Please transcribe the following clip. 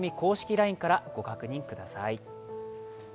ＬＩＮＥからご確認ください。